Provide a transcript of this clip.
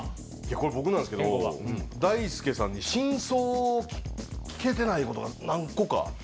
これ僕なんですけど大輔さんに。を聞けてないことが何個か。